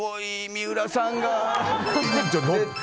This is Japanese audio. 三浦さんが。